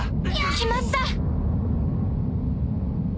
決まった！